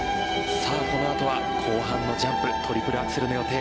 さあ、このあとは後半のジャンプトリプルアクセルの予定。